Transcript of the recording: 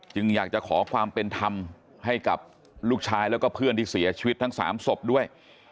อยากจะขอความเป็นธรรมให้กับลูกชายแล้วก็เพื่อนที่เสียชีวิตทั้ง๓ศพด้วย